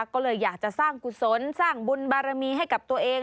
ก็เลยอยากจะสร้างกุศลสร้างบุญบารมีให้กับตัวเอง